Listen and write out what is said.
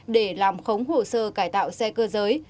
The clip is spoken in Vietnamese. để làm khống hồ sơ cải tạo xe cơ giới